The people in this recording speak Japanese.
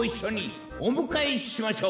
おむかえしましょう。